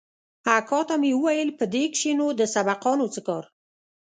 اکا ته مې وويل په دې کښې نو د سبقانو څه کار.